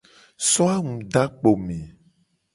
So angu do akpo me.